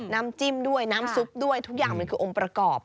น้ำจิ้มด้วยน้ำซุปด้วยทุกอย่างมันคือองค์ประกอบ